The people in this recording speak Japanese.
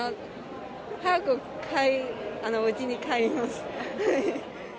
早くおうちに帰ります。